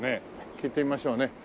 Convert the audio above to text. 聞いてみましょうね。